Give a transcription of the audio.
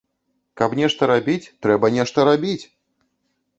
Каб нешта рабіць, трэба нешта рабіць!